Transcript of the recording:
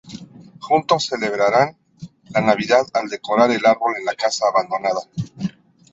Juntos celebran la Navidad al decorar el árbol en la casa abandonada.